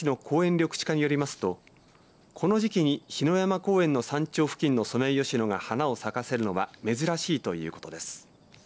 緑地課によりますとこの時期に火の山公園の山頂付近のソメイヨシノが花を咲かせるのは珍しいということです。